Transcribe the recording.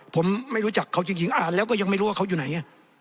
ผมไม่รู้จักเขาจริงอ่านแล้วก็ยังไม่รู้ว่าเขาอยู่ไหน